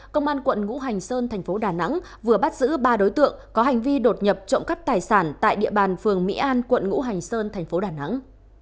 công an quận ngũ hành sơn thành phố đà nẵng vừa bắt giữ ba đối tượng có hành vi đột nhập trộm cắp tài sản tại địa bàn phường mỹ an quận ngũ hành sơn thành phố đà nẵng